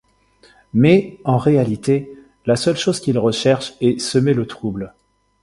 Mais, en réalité, la seule chose qu’il recherche est semer le trouble.